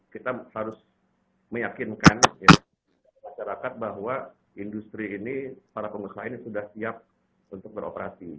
kita harus meyakinkan masyarakat bahwa industri ini para pengusaha ini sudah siap untuk beroperasi